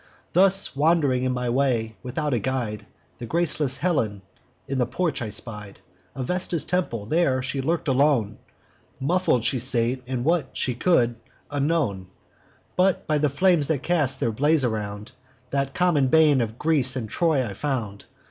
Thus, wand'ring in my way, without a guide, The graceless Helen in the porch I spied Of Vesta's temple; there she lurk'd alone; Muffled she sate, and, what she could, unknown: But, by the flames that cast their blaze around, That common bane of Greece and Troy I found.